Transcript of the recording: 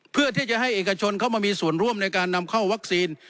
เพื่อที่จะให้เอกชนเข้ามามีส่วนร่วมในการนำเข้าวัคซีน